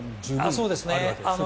そうですね。